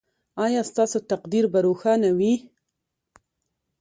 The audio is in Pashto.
ایا ستاسو تقدیر به روښانه وي؟